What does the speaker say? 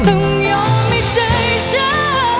ตึงยอมไม่เจ๋ยฉัน